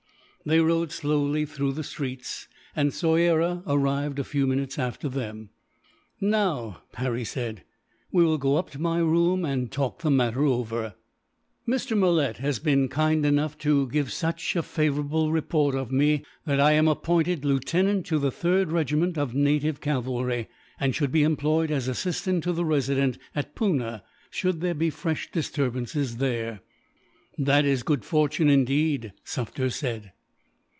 They rode slowly through the streets, and Soyera arrived a few minutes after them. "Now," Harry said, "we will go up to my room and talk the matter over. "Mr. Malet has been kind enough to give such a favourable report of me that I am appointed lieutenant to the 3rd Regiment of Native Cavalry, and shall be employed as assistant to the resident at Poona, should there be fresh disturbances there." "That is good fortune, indeed," Sufder said.